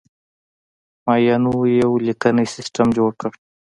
مایانو یو لیکنی سیستم جوړ کړ.